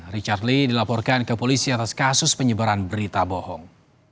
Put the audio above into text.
richard lee dilaporkan ke polisi atas kasus penyebaran berita bohong